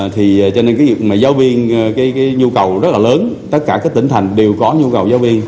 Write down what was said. thì cho nên cái việc mà giáo viên cái nhu cầu rất là lớn tất cả các tỉnh thành đều có nhu cầu giáo viên